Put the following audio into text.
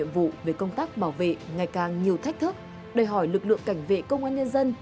với công tác bảo vệ ngày càng nhiều thách thức đòi hỏi lực lượng cảnh vệ công an nhân dân